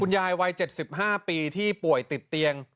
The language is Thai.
ยายวัย๗๕ปีที่ป่วยติดเตียง